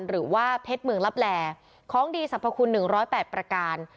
หรือว่าเพชรเมืองลับแลของดีสรรพคุณ๑๐๘ประการ